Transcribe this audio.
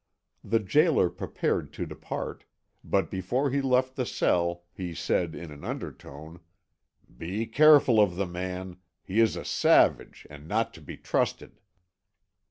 The gaoler prepared to depart, but before he left the cell he said in an undertone: "Be careful of the man; he is a savage, and not to be trusted."